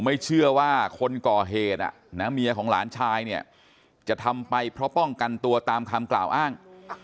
ไม่เชื่อว่าคนก่อเหตุเมียของหลานชายเนี่ยจะทำไปเพราะป้องกันตัวตามคำกล่าวอ้าง